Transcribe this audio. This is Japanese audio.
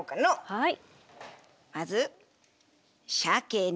はい。